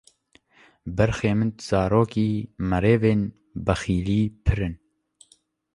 Berxê min tu zarokî, merivên pexîlî pirin